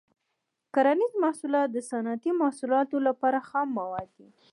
کرنیز محصولات د صنعتي محصولاتو لپاره خام مواد دي.